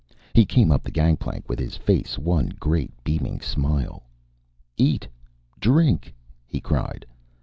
He came up the gangplank with his face one great beaming smile. "Eat! Drink!" he cried.